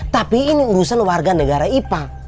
tapi ini urusan warga negara ipa